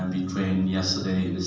semuanya sangat bagus